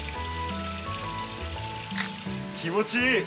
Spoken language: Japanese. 気持ちいい！